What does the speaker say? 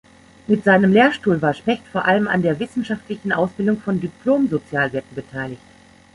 Mit seinem Lehrstuhl war Specht vor allem an der wissenschaftlichen Ausbildung von Diplom-Sozialwirten beteiligt.